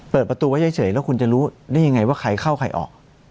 เปิดประตูไว้เฉยแล้วคุณจะรู้ได้ยังไงว่าใครเข้าใครออก